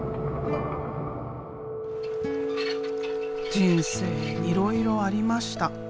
人生いろいろありました。